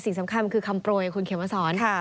สิ่งสำคัญคือคำโปรยคุณเขียนมาสอน